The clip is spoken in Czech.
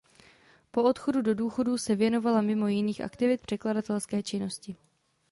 Po odchodu do důchodu se věnovala mimo jiných aktivit překladatelské činnosti.